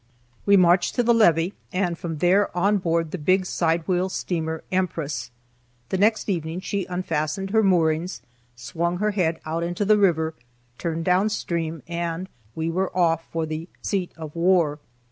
We marched to the levee and from there on board the big sidewheel steamer, Empress. The next evening she unfastened her moorings, swung her head out into the river, turned down stream, and we were off for the "seat of war."